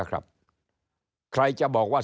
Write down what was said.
ใครจะบอกว่า